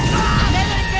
セドリック！